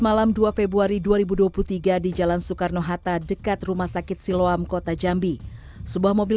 malam dua februari dua ribu dua puluh tiga di jalan soekarno hatta dekat rumah sakit siloam kota jambi sebuah mobil